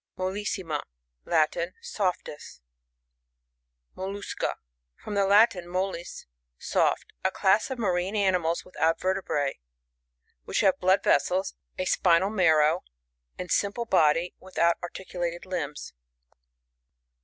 MoLussiMA. — Latin. Softest MoLLUscA. — From the Latin, mollis^ soft. A class of marine animals without vertebrs, which have blood vessels, a spinal marrow, and a sim ple body, without articulated limbs.